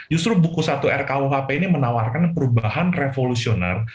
justru buku satu rkuhp ini menawarkan perubahan revolusioner